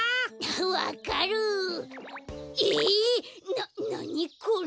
ななにこれ！